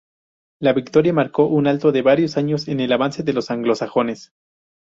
La victoria marcó un alto de varios años en el avance de los anglosajones.